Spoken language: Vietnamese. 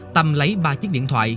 tâm lấy ba chiếc điện thoại